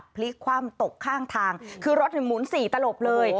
พลิกคว่าเมืองตกข้างทางคือรถหนูหมุนสีตลบเลย